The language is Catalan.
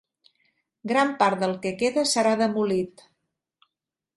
Gran part del que queda serà demolit.